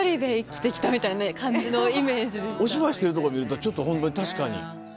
お芝居してるところ見るとちょっとホントに確かに。